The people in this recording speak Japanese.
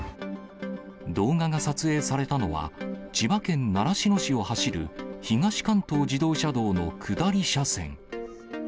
動画が撮影されたのは、千葉県習志野市を走る東関東自動車道の下り車線。